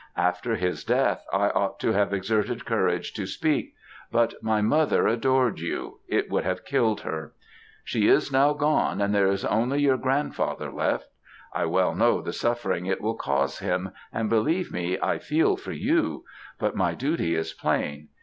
After his death, I ought to have exerted courage to speak; but my mother adored you it would have killed her. She is now gone, and there is only your grandfather left. I well know the suffering it will cause him, and, believe me, I feel for you but my duty is plain.